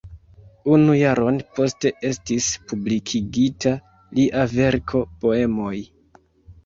Unu jaron poste estis publikigita lia verko "Poemoj.